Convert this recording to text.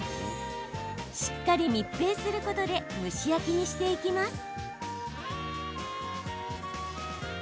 しっかり密閉することで蒸し焼きにしていきます。